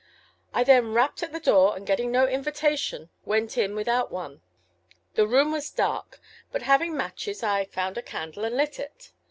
I then rapped at the door, and getting no invitation went in without one. The room was dark, but having matches I found a candle and lit it.